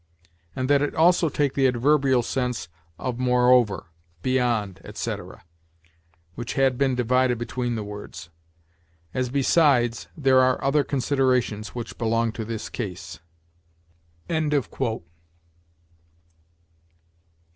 And that it also take the adverbial sense of moreover, beyond, etc., which had been divided between the words; as, besides, there are other considerations which belong to this case."